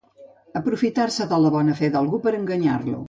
Aprofitar-se de la bona fe d'algú per a enganyar-lo.